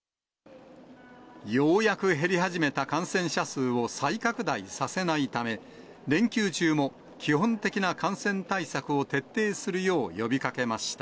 ようやく減り始めた感染者数を再拡大させないため、連休中も基本的な感染対策を徹底するよう呼びかけました。